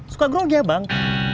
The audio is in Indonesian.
suka grogi abang